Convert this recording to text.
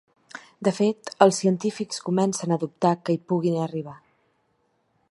De fet, els científics comencen a dubtar que hi pugui arribar.